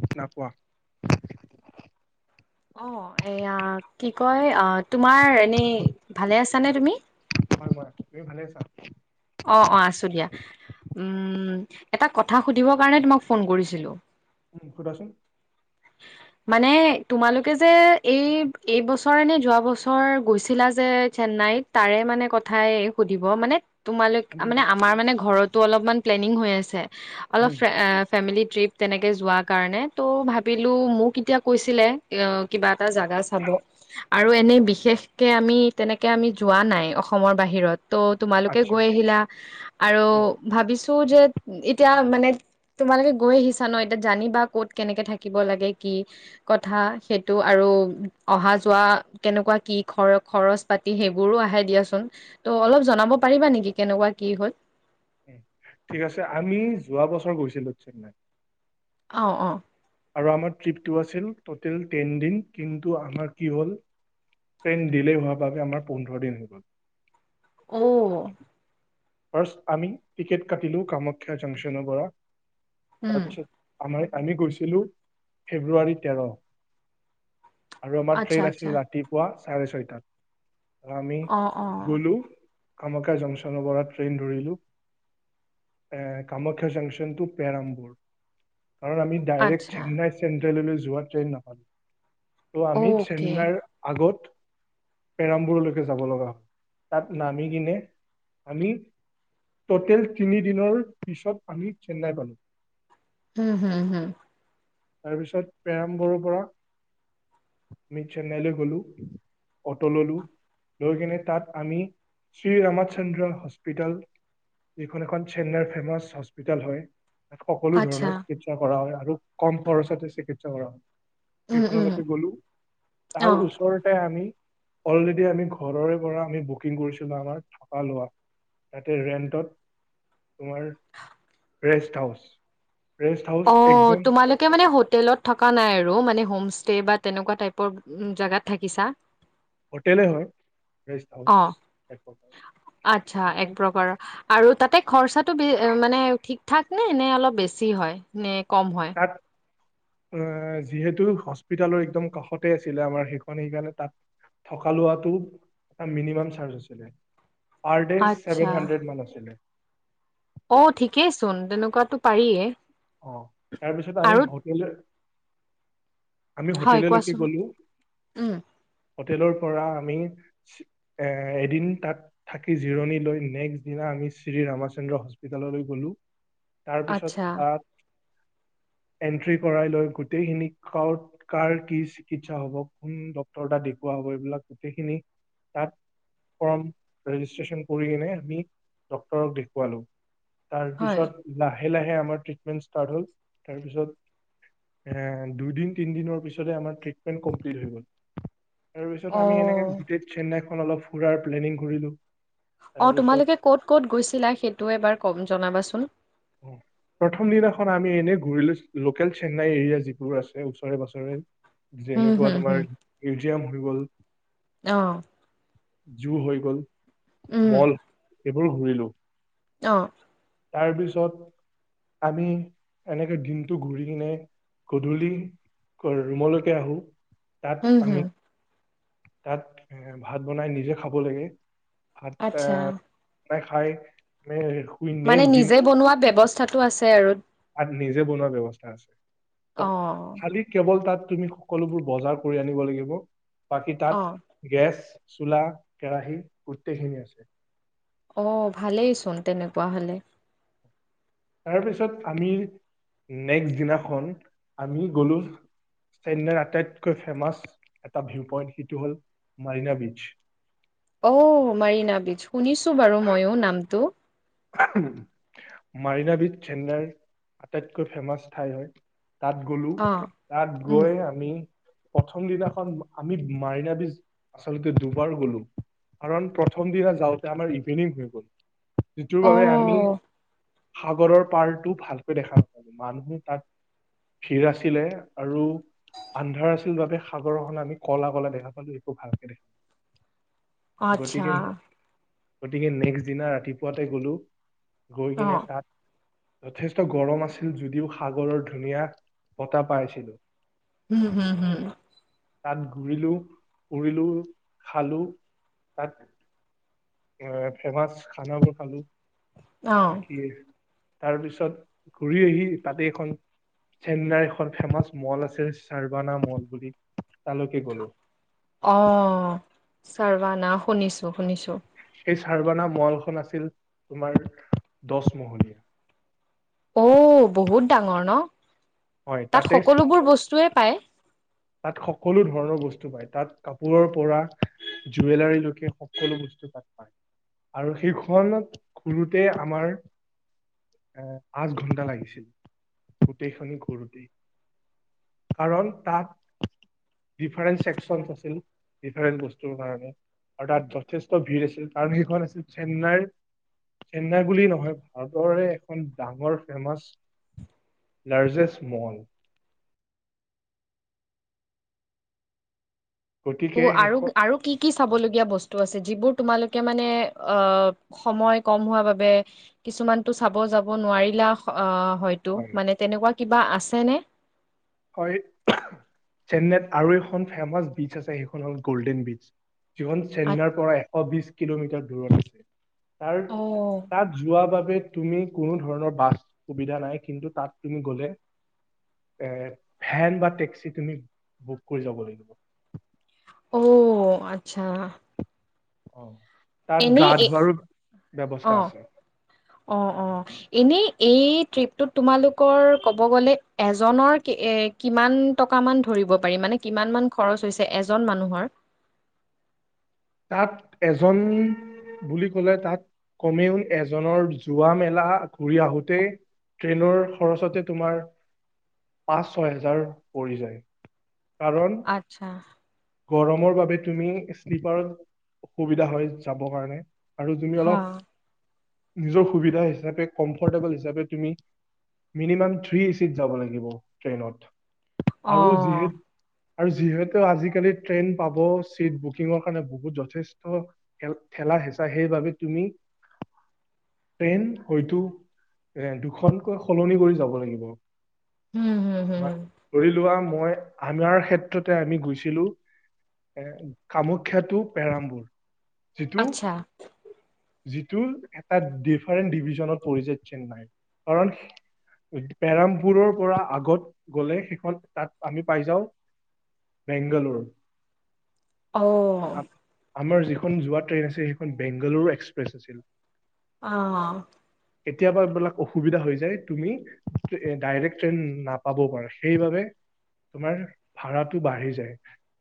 অ' কোৱা? অ' এয়া কি কয় অ তোমাৰ এনেই ভালে আছানে তুমি? হয়-হয় তুমি ভালে আছা? অ-অ আছো দিয়া। উম' এটা কথা সুধিবৰ কাৰণে তোমাক ফোন কৰিছিলো? উম' সোধাচোন? মানে তোমালোকে যে এই এইবছৰে নে যোৱা বছৰ গৈছিলা যে চেন্নাইত তাৰে মানে কথাই সুধিব, মানে তোমালোক মানে আমাৰ মানে ঘৰত তটো অলপমান প্লেনিং হৈ আছে। অলপ উম। ফেমিলি ট্ৰিপ তেনেকে যোৱাৰ কাৰণে ত' ভ বিলো মোক এতিয়া কৈছিলে কিবা এটা জাগা চাব আৰু এনেই বিশেষকে আমি তেনেকে আমি যোৱা নাই অসমৰ বাহিৰত। ত' তোমালোকে আচ্ছা গৈ আহিলা আৰু উম ভাবিছো তো যে এতিয়া মানে তোমালোকে গৈ আহিছা ন, এতিয়া জানিবা ক'ত কেনেকে থাকে। থাকিব লাগে কি কথা সেইটো আৰু অহা যোৱা, কেনেকুৱা কি খৰ খৰচ -পাতি সেইবোৰো আহে দিয়াচোন ত' অলপ জনাব পাৰিবা নেকি কেনেকুৱা কি হ'ল? ঠিক আছে আমি যোৱা বছৰ গৈছিলো অ' অ ' আৰু আমাৰ ট্ৰিপটো আছিল ট'টেল টেন দিন কিন্তু আমাৰ কি হ'ল ট্ৰেইন ডিলেই হোৱাৰ বাবে আমাৰ পোন্ধৰ দিন হৈ গ'ল। অ' ফাৰ্চ আমি টিকেট কাটিলো কামাখ্যা জংছনৰ পৰা। উম তাৰপিছত আমাৰ। আমি গৈছিলোঁ ফেব্ৰুৱাৰী তেৰ। আৰু আমাৰ আচ্ছা ট্ৰেইন আচ্ছা আছিলো ৰাতিপুৱা। চাৰে ছয়টাত। আমি অ অ গ'লো। কামাখ্যা জংছনৰ পৰাত ট্ৰেইন ধৰিলো কামাখ্যা জংছন টু পেৰামবুৰ। কাৰণ আমি ডাইৰেক্ট আচ্ছা চেন্নাই চে চেন্ট্ৰেললৈ যোৱা ট্ৰেইন নাপালোঁ। ত' আমি অ'কে চেন্নাৰ আগত। পেৰমবোৰলৈকে যাব লগা হয় তাত নামি কিনে আমি। ট'টেল তিনিদিনৰ পিছত আমি চেন্নাই পালো। হম- হম -হম তাৰপিছত প্ৰেৰামবৰ পৰা আমি চেন্নাইলৈ গলো অট ললো লৈ কিনে তাত আমি শ্ৰীৰামাচন্দ্ৰ হস্পিতাল যিখন এখন চেন্নাইৰ ফেমাচ হস্পিতেল হয়। তাত সকলো আচ্ছা ধৰণৰ চিকিৎসা কৰা হয়। [unintelligible] কম খৰচতে চিকিৎসা কৰা হয়। উম উম সেইখনলৈকে গ'লো অ তাৰ ওচৰতে আমি। অলৰেডি আমি ঘৰৰে পৰা আমি বুকিং কৰিছিলোঁ আমাৰ থকা লোৱা তাতে ৰেণ্টত তোমাৰ ৰেষ্ট হাউচ। ৰেষ্ট হাউচ একদম। কে মানে হোটেলত থকা নাই আৰু মানে হোম ষ্টে বা তেনেকুৱা টাইপৰ জোগাত থাকিছা? হোটেলে হয় ৰেষ্ট হাউচ অ' এক প্ৰকাৰ আচ্ছা এক সেইখন প্ৰকাৰৰ আৰু তাতে। খৰচাটো বে মানে ঠিক ঠাক নে- নে অলপ বেছি হয়। নে কম হয়। তাত যিহেতু হস্পিতালৰ একদম কাষতে আছিলে আমাৰ সেইখন সেইকাৰণে তাত থকা লোৱাটো এটা মিনিমাম চাৰ্জ আছিলে। পাৰডে আচ্ছা, ছেভেন হাড্ৰেড মান আছিলে। অ' ঠিকেইচোন তেনেকুৱাতো পাৰিয়ে। অ' তাৰপিছত আমি আৰু হোটেল। আমি হয় হোটেললৈকে কোৱাচোন? গ'লো। উম, হোটেলৰ পৰা আমি এ এদিন তাত থাকি জিৰণি লৈ নেক্সট দিনা আমি শ্ৰী ৰামচন্দ্ৰ হস্পিতাললৈ গলো তাৰ পিছত আচ্ছা তাত এন্ট্ৰি কৰাই লৈ গোটেইখিনি কাৰ কাৰ কি চিকিৎসা হব কোন ডক্টৰ তাত দেখুওৱা হব এইবিলাক গোটেইখিনি তাত ফ্ৰম ৰেজিষ্ট্ৰেশ্যন কৰি কিনে আমি ডক্টৰক দেখুৱালো তাৰ হয়, পিছত লাহ লাহে লাহে আমাৰ ট্ৰিটমেণ্ট ষ্টাৰ্ট হ'ল তাৰপিছত এ দুদিন তিনদিনৰ পিছতে আমাৰ ট্ৰিটমেণ্ট কমপ্লিট হৈ গ'ল তাৰ পিছত আমি এনেকে অ'। গোটেই চেন্নাই খন অলপ ফুৰাৰ প্লেনিং কৰিলো অ তাৰপিছত তোমালোকে কত ক'ত গৈছিলা সেইটো এবাৰ জনাবাচোন চোন অ প্ৰথম দিনাখন আমি এনেই ঘূৰিলো লোকেল চেন্নাই এৰিয়া যিবোৰ আছে ওচৰে পাজৰে হুম, যেনেকুৱা হুম, তোমাৰ মিউজিয়াম গল আহ জু হৈ গ'ল মল এইবোৰো ঘোৰিলোঁ অ তাৰ পিছত আমি এনেকে দিনটো ঘূৰি কিনে গধূলি ৰুমলৈকে আহো তাত হুম, হুম, আমি তাত এ ভাত বনাই নিজে খাব লাগে ভাত আচ্ছা। এ খাই শুই মানে নেক্সট নিজে বনোৱা ব্যৱস্থা স্থাতো আছে আৰু তাত নিজে বনোৱা ব্যৱস্থা আছে অ', খালি কেৱল তাত তুমি সকলোবোৰ বজাৰ কৰি আনিব লাগিব বাকী অ', তাত গেছ চোলা কেৰাহী গোটেইখিনি আছে অ ভালেইচোন তেনেকুৱা হলে তাৰপিছত আমি নেক্সট দিনাখন আমি গলোঁ চেন্নাইৰ আটাইতকৈ ফেমাছ এটা ভিউ পইণ্ট সেইটো হ'ল মালিনা ব্ৰীছ অঔ মাৰিনা ব্ৰীছ শুনিছো বাৰু ময়ো নামটো মাৰিনাাবিছ চেন্নাইৰ আটাইতকৈ ফেমাছ ঠাই হয় তাত গলো অ'। তাত উম, গৈ আমি প্ৰথম দিনাখন আমি মাৰিনা বীজ আচলতে দুবাৰ গলো কাৰণ প্ৰথম দিনা যাওঁতে আমাৰ ইভিনিং হৈ গ'ল যিটোৰ বাবে আমি অ' সাগৰৰ পাৰটো ভালকৈ দেখা নাপালো মানুহো তাত ভিৰ আছিলে আৰু আন্ধাৰ আছিল বাবে সাগৰখন আমি কলা কলা দেখা পালো একো ভালকে দেখা অ নাপালো। আচ্ছা গতিকে গতিকে নেক্সট দিনা ৰাতিপুৱা পোৱাতে গ'লো গৈ কিনে অ' তাত যথেষ্ট গৰম আছিল যদিও সাগৰৰ ধুনীয়া বতাহ পাইছিলো উম হম হম তাত ঘূৰিলো ফুৰিলো খালো তাত এ ফেমাচ খানাবোৰ খালো অ', বাকী তাৰপিছত ঘূৰি আহি তাতে এখন চেন্নাইৰ এখন ফেমাচ মল আছে চাৰ্বানা মল বুলি তালৈকে গ'লো আহ চাৰ্বানা শুনিছোঁ শুনিছোঁ এই ছাৰ্বানা মলখন আছিল তোমাৰ দহ মহলীয়া অ বহুত ডাঙৰ ন হয় তাত তাতে সকলোবোৰ বস্তুয়ে পায় তাত সকলো ধৰণৰ বস্তু পায় তাত কাপোৰৰ পৰা জুৱেলাৰীলৈকে সকলো বস্তু তাত পায় আৰু সেইখনত ঘুৰোতে আমাৰ এ পাঁচ ঘন্টা লাগিছিল গোটেইখন ঘুৰোতেই কাৰণ তাত ডিফাৰেন্ট ছেকচন আছিল ডিফাৰেণ্ট বস্তুৰ কাৰণে আৰু তাত যথেষ্ট ভিৰ আছিল কাৰণ সেইখন আছিল চেন্নাইৰ চেন্নাই বুলি নহয় ভাৰতৰে এখন ডাঙৰ ফেমাছ লাৰ্জেষ্ট মল ত গতিকে আৰু সেইখন আৰু কি কি চাব লগীয়া বস্তু আছে যিবোৰ তোমালোকে মানে অ সময় কম হোৱা বাবে কিছুমানতটো চাব যাব নোৱাৰিলা হয়তটো হয় মানে তেনেকুৱা কিবা আছেনে হয় চেন্নাইত আৰু এখন ফেমাচ ব্ৰীচ আছে সেইখন হ'ল গ'ল্ডেন ব্ৰীচ যিমান আ চেন্নাৰ পৰা এশ বিশ কিলোমিটাৰ দূৰত আছে তাৰ অ' তাত যোৱা বাবে তুমি কোনো ধৰণৰ বাছ সুবিধা নাই কিন্তু তাত তুমি গলে এ ভেন বা টেক্সি তুমি বুক কৰি যাব লাগিব অ আচ্ছা অ তাত এনেই গা এ ধোৱাৰো ব্যৱস্থা অ আছে অ অ এনেই এই ট্ৰিপটোত তোমালোকৰ ক'ব গ'লে এজনৰ এ কিমান টকা মান ধৰিব পাৰি মানে কিমান মান খৰচ হৈছে এজন মানুহৰ তাত এজন বুলি ক'লে তাত কমেও এজনৰ যোৱা মেলা ঘূৰি আহোঁতেই ট্ৰেইনৰ খৰচতে তোমাৰ পাঁচ ছয় হেজাৰ পৰি যায় কাৰণ আচ্ছা গৰমৰ বাবে তুমি শ্লিপাৰত অসুবিধা হয় যাবৰ কাৰণে আৰু তুমি হা অলপ নিজৰ সুবিধা হিচাপে কমফৰ্টেবল হিচাপে তুমি মিনিমাম থ্ৰী এচিত যাব লাগিব ট্ৰেইনত আৰু আহ', যিহে আৰু যিহেতু আজিকালি ট্ৰেইন পাব চিট বুকিঙৰ কাৰণে বহুত যথেষ্টেল ঠেলা হেঁচা সেইবাবে তুমি, ট্ৰেইন হয়তো এ', দুখনকৈ সলনি কৰি যাব লাগিব। উম হুম ম হুম ধৰি লোৱা মই আমাৰ ক্ষেত্ৰতে আমি গৈছিলো। এ', কামাখ্যা টো পেৰামবুৰ আচ্ছা। যিটো এটা ডিফাৰেণ্ট ডিভিজনত পৰিছে। চেন্নাই কাৰণ পেৰামপুৰৰ পৰা আগত গ'লে সেইখন তাত আমি পাই যাওঁ বেংগালোৰ। অ'হ আমাৰ যিখন যোৱা ট্ৰেইন আছিল। সেইখন বেংগালুৰু এক্সপ্ৰেছ আছিল। অহ', কেতিয়াবা এইবিলাক অসুবিধা হৈ যায়। তুমি ডাইৰেক্ট ট্ৰেইন নাপাবও পাৰা। সেইবাবে তোমাৰ ভাড়াটো বাঢ়ি যায়।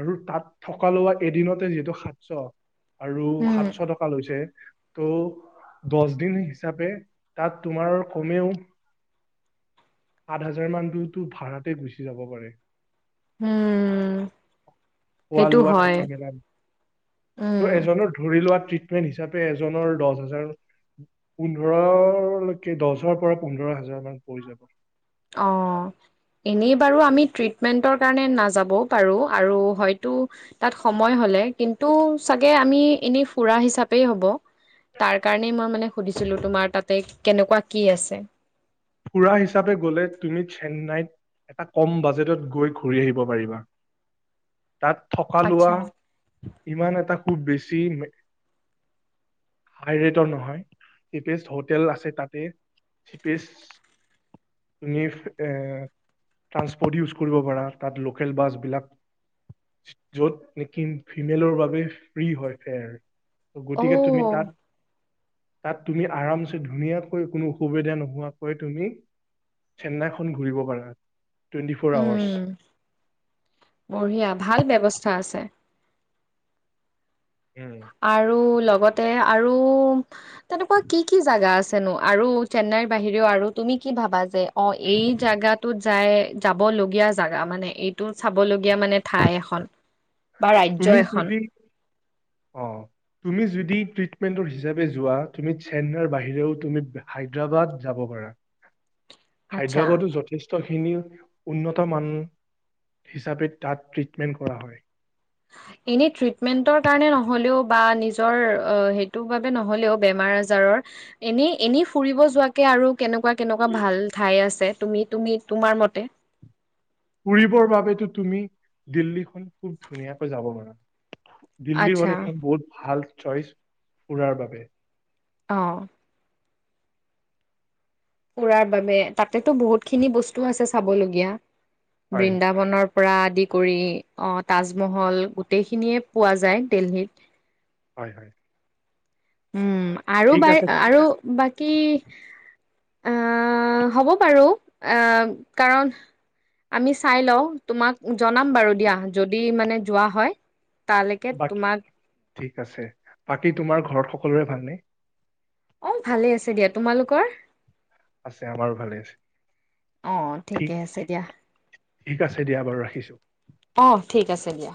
আৰু তাত থকা লোৱা এদিনতে যিহেতু সাতশ। আৰু উম সাতশ টকা লৈছে। ত', দহ দিন হিচাপে তাত তোমাৰ কমেও। সাত হাজাৰ মান দুয়োতো ভাৰাতে গুচি যাব পাৰে। উম',। হোৱা সেইটো লোৱা হয় থকা মেলা ত' উম এজনৰ ধৰি লোৱা তৃতীয়। হেটো হিচাপে এজনৰ দহ হাজাৰ পোন্ধৰলৈকে দহৰ পৰা পোন্ধৰ হাজাৰ মান পৰি যাব। অঁ ', এনেই বাৰু আমি ট্ৰিটমেণ্টৰ কাৰণে নাযাবও পাৰোঁ। আৰু হয়তো তাত সময় হ'লে কিন্তু চাগে আমি এনেই ফুৰা হিচাপেই হ'ব। তাৰ কাৰণেই মই মানে। সুধিছিলো তোমাৰ তাতে কেনেকুৱা কি আছে? ফুৰা হিচাপে গ'লে তুমি চেন্নাইত এটা কম বাজেটত গৈ ঘূৰি আহিব পাৰিবা। তাত থকা লোৱা ইমান এটা। খুব বেছি হাই ৰেটৰ নহয় চিপে হোটেল আছে তাতে চিপেষ্ট। তুমি এ', ট্ৰানসপৰ্ট ইউজ কৰিব পাৰা তাত লোকেল বাছ বিলাক য'ত নেকি ফিমেলৰ বাবে ফ্ৰী হয় ফেয়ৰ। ত ', গতিকে তুমি অ', তাত। তাত তুমি আৰামছে ধুনীয়াকৈ কোনো অসুবিধা নোহোৱো। কৈ তুমি চেন্নাইখন ঘূৰিব পাৰা। টুৱেণ্টি ফ'ৰ আৱাৰ্চ উম', বঢ়িয়া ভাল ব্যৱস্থা। ৱস্থা আছে। আৰু লগ। লগতে আৰু। তেনেকুৱা কি -কি জাগা আছে? জানো আৰু চেন্নাইৰ বাহিৰেও আৰু তুমি কি ভাবা যে। অ', এই জোগাটোত। যাই যাব লগগীয়া জোগা মানে এইটো চাবলগীয়া মানে ঠাই এখন। বা ৰাজ্য এখন। অঁ তুমি যদি ট্ৰিটমেণ্টৰ হিচাপে যোৱা তুমি চেন্নাইৰ বাহিৰেও তুমি হায়দৰাবাদ যাব পাৰা। আচ্ছা। হায়দৰাবাদো যথেষ্ট। খিনি উন্নত মান হিচাপে তাত ট্ৰিটমেণ্ট কৰা হয়। এনে ট্ৰিটমেণ্টৰ কাৰণে নহ'লেও বা‌‌ নিজৰ সেইটো ভাবে নহলে ও বেমাৰ আজাৰত এনেই ফুৰিব যোৱাকে আৰু কেনেকুৱা কেনেকুৱা ভাল ঠাই আছে। তোমাৰ মতে ফুৰিবৰ বাবেতো তুমি দিল্লীখন খুব ধুনীয়াকৈ যাব পাৰা। দিল্লী আচ্ছা হ'ল এখন বহুত ভাল চইচ ফুৰাৰ বাবে আহ ফুৰাৰ বাবে তাতেতো বহুত খিনি বস্তু আছে চাবলগীয়া হয় বৃন্দাবনৰ পৰা আদি কৰি আহ তাজমহল গোটেইখিনিয়ে পোৱা যায় দিল্লীত হয় হয় উম আৰু ঠিক বাই আছে আৰু বাকী কি আহ হ'ব বাৰু আহ কাৰণ আমি চাই লওঁ তোমাক জনাম বাৰু দিয়া যদি মানে যোৱা হয় তালৈকে বাকী তোমাক ঠিক আছে বাকী তোমাৰ ঘৰত সকলোৰে ভালনে অ ভালে আছে দিয়া তোমালোকৰ আছে আমাৰো ভালে আছে আহ ঠিক ঠিকে আছে দিয়া ঠিক আছে দিয়া বাৰু ৰাখিছো অ ঠিক আছে দিয়া